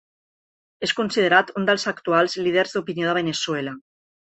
És considerat un dels actuals líders d'opinió de Veneçuela.